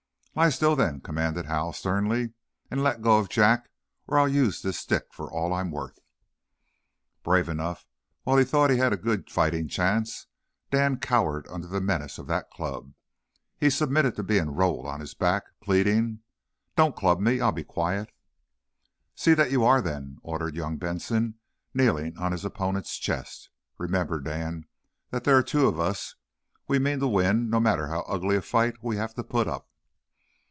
"Lie still, then," commanded Hal, sternly. "And let go of Jack, or I'll use this stick for I'm worth." Brave enough while he thought he had a good fighting chance, Dan cowered under the menace of that club. He submitted to being rolled on his back, pleading: "Don't club me! I'll be quiet." "See that you are, then," ordered young Benson, kneeling on his opponent's chest. "Remember, Dan, that there are two of us. We mean to win, no matter how ugly a fight we have to put up."